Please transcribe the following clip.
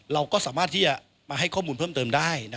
เราก็สามารถที่จะมาให้ข้อมูลเพิ่มเติมได้